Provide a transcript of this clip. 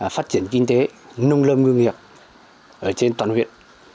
phát triển kinh tế nông lâm ngương nghiệp ở trên toàn huyện